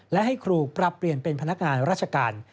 และให้ครูปรับเปลี่ยนเป็นพนักงานราชการ